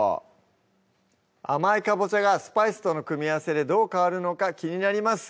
甘いかぼちゃがスパイスとの組み合わせでどう変わるのか気になります